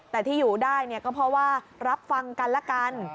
แต่ที่อยู่ได้เนี่ยก็เพราะว่ารับฟังกันแล้วกัน